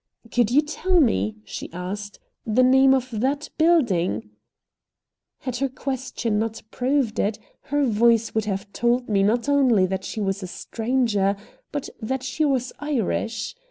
"Could you tell me," she asked, "the name of that building?" Had her question not proved it, her voice would have told me not only that she was a stranger, but that she was Irish.